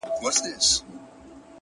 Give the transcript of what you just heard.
o نن د هر گل زړگى په وينو رنـــــگ دى؛